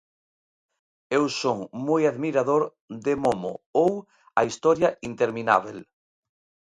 Eu son moi admirador de "Momo" ou "A historia interminábel".